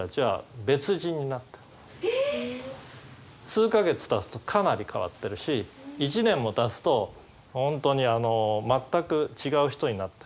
数か月たつとかなり変わってるし一年もたつと本当に全く違う人になってる。